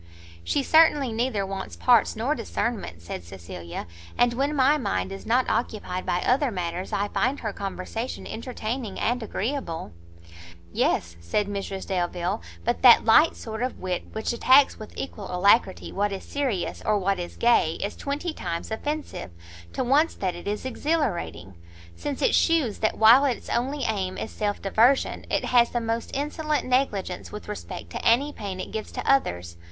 "She certainly neither wants parts nor discernment," said Cecilia; "and, when my mind is not occupied by other matters, I find her conversation entertaining and agreeable." "Yes," said Mrs Delvile, "but that light sort of wit which attacks, with equal alacrity, what is serious or what is gay, is twenty times offensive, to once that it is exhilarating; since it shews that while its only aim is self diversion, it has the most insolent negligence with respect to any pain it gives to others.